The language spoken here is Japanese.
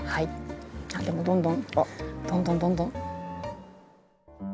でもどんどんどんどんどんどん。